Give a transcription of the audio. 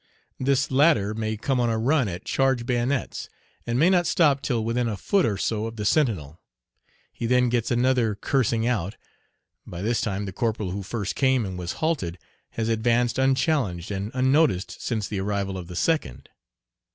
This latter may come on a run at "charge bayonets," and may not stop till within a foot or so of the sentinel. He then gets another "cursing out." By this time the corporal who first came and was halted has advanced unchallenged and unnoticed since the arrival of the second.